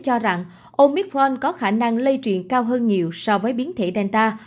cho rằng omicron có khả năng lây truyền cao hơn nhiều so với biến thể danta